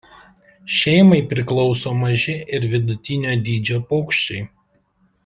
Šeimai priklauso maži ir vidutinio dydžio paukščiai.